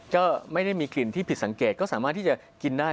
ก็ไม่ได้มีกลิ่นที่ผิดสังเกตก็สามารถที่จะกินได้